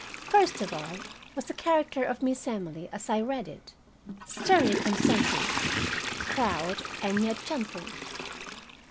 First of all was the character of Miss Emily as I read it, sternly conscientious, proud, and yet gentle.